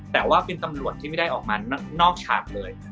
แต่ว่าเป็นตำรวจที่ไม่ได้ออกมานอกฉากเลย